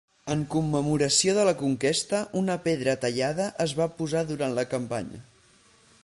En commemoració de la conquesta, una pedra tallada es va posar durant la campanya.